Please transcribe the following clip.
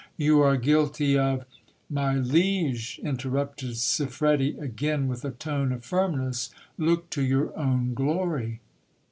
You are guilty of .... My liege, interrupted Siffredi again with a tone of firmness, look to your own glory.